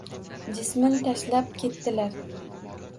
Jismin tashlab ketdilar.